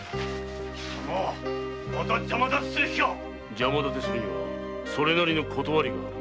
邪魔だてするにはそれなりの理がある。